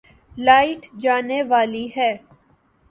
light جانے والی ہے